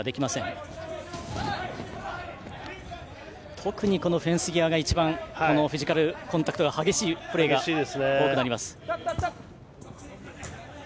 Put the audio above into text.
特にフェンス際が一番フィジカルコンタクトが激しいプレーが多くなります。